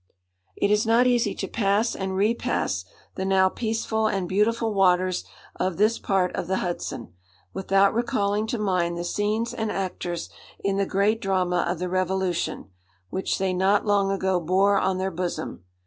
It is not easy to pass and repass the now peaceful and beautiful waters of this part of the Hudson, without recalling to mind the scenes and actors in the great drama of the revolution, which they not long ago bore on their bosom.